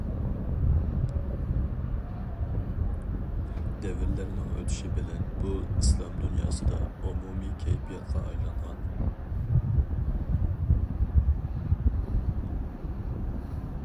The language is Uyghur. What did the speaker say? دەۋرلەرنىڭ ئۆتىشى بىلەن بۇ ئىسلام دۇنياسىدا ئومۇمىي كەيپىياتقا ئايلانغان.